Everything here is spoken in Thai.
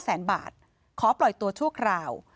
แสนบาทขอปล่อยตัวชั่วคราว